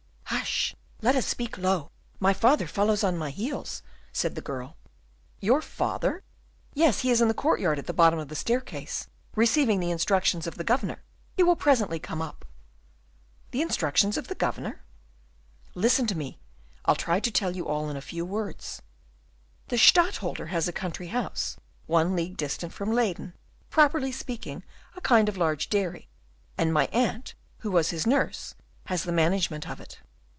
"Hush! let us speak low: my father follows on my heels," said the girl. "Your father?" "Yes, he is in the courtyard at the bottom of the staircase, receiving the instructions of the Governor; he will presently come up." "The instructions of the Governor?" "Listen to me, I'll try to tell you all in a few words. The Stadtholder has a country house, one league distant from Leyden, properly speaking a kind of large dairy, and my aunt, who was his nurse, has the management of it.